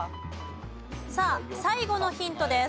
さあ最後のヒントです。